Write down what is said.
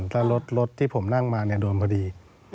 ถ้ารถที่ผมนั่งมาโดนพอดี